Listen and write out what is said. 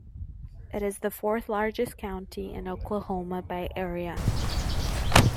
It is the fourth-largest county in Oklahoma by area.